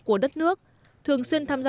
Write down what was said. của đất nước thường xuyên tham gia